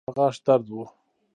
لرګی ښخ و چې د چا غاښ درد و.